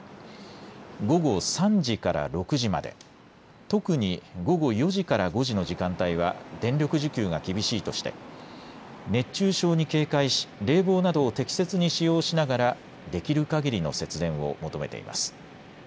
午後３時から６時まで、特に午後４時から５時の時間帯は電力需給が厳しいとして熱中症に警戒し、冷房などを適切に使用しながらできるかぎりの節電を求めています。